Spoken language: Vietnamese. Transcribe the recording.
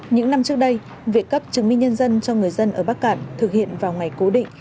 những năm trước đây việc cấp chứng minh nhân dân cho người dân ở bắc cạn thực hiện vào ngày cố định